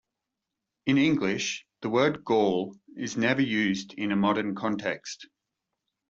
In English, the word Gaul is never used in a modern context.